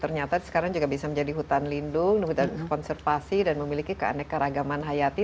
ternyata sekarang juga bisa menjadi hutan lindung hutan konservasi dan memiliki keanekaragaman hayati